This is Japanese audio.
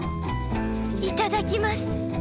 いただきます。